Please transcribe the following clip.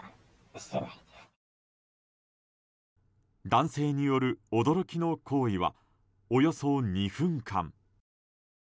男性による驚きの行為はおよそ２分間。